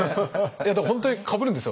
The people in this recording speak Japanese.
だから本当にかぶるんですよ。